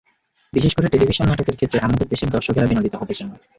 বিশেষ করে টেলিভিশন নাটকের ক্ষেত্রে আমাদের দেশের দর্শকেরা বিনোদিত হতে চান।